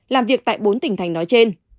làm việc tại bốn tỉnh thành nói trên